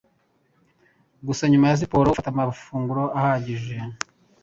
gusa nyuma ya siporo ufate amafunguro ahagije